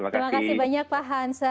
terima kasih banyak pak hansen